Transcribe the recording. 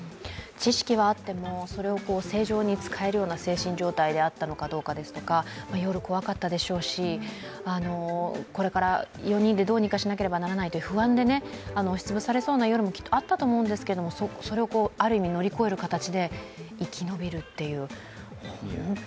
知識はあってもそれを正常に使えるような精神状態であったのかですとか夜怖かったでしょうし、これから４人でどうにかしなければならないという不安でね、押しつぶされそうな夜もきっとあったと思うんですがそれをある意味、乗り越える形で生き延びるっていう。